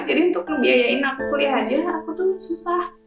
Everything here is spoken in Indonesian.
jadi untuk ngebiayain aku kuliah aja aku tuh susah